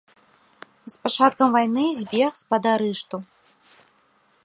З пачаткам вайны збег з-пад арышту.